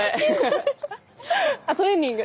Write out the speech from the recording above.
あっトレーニング？